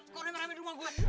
kok udah meramik rumah gue